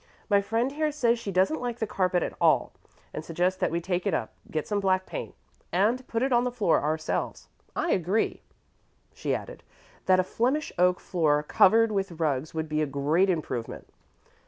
My friend here says she doesn't like the carpet at all, and suggests that we take it up, get some black paint, and put it on the floor ourselves. I agree," she added, "that a Flemish oak floor covered with rugs would be a great improvement."